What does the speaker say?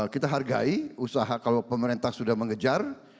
kita hargai usaha kalau pemerintah sudah mengejar